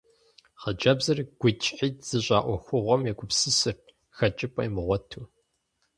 Хъыджэбзыр гуитӀщхьитӀ зыщӏа ӏуэхугъуэм егупсысырт, хэкӏыпӏэ имыгъуэту.